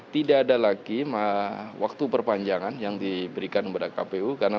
tidak ada lagi waktu perpanjangan yang diberikan kepada kpu karena memang ini peraturan kpu jadwalnya sudah sangat ketat sekali